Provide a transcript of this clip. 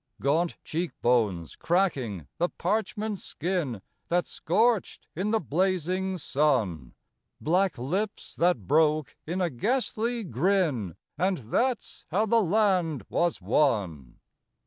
Gaunt cheek bones cracking the parchment skin That scorched in the blazing sun, Black lips that broke in a ghastly grin And that's how the land was won!